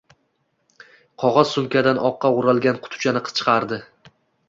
Qog`oz sumkadan oqqa o`ralgan qutichani chiqardi